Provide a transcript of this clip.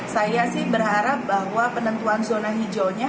saya sih berharap bahwa penentuan zona hijaunya